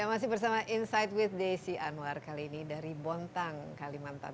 masih bersama insight with desi anwar kali ini dari bontang kalimantan